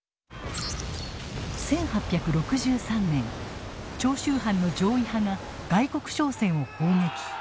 １８６３年長州藩の攘夷派が外国商船を砲撃。